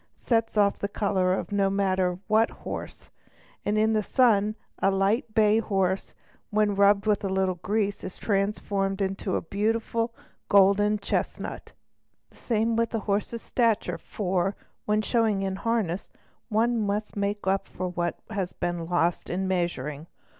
Methods of this kind can no more be considered to fall within the 'colour of no matter what horse, and in the sun, a light bay horse when 'rubbed with a little grease is transformed into a beautiful golden chestnut. The same with a horse's stature, for, when showing in harness, one "must make up for what has been lost in measuring.